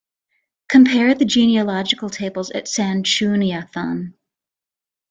Compare the genealogical tables at Sanchuniathon.